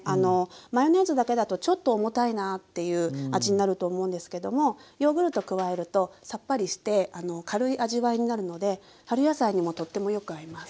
マヨネーズだけだとちょっと重たいなっていう味になると思うんですけどもヨーグルト加えるとさっぱりして軽い味わいになるので春野菜にもとってもよく合います。